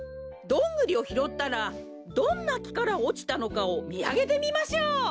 どんぐりをひろったらどんなきからおちたのかをみあげてみましょう。